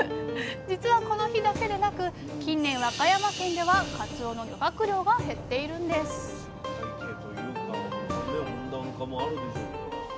実はこの日だけでなく近年和歌山県ではかつおの漁獲量が減っているんです生態系というか温暖化もあるでしょうから。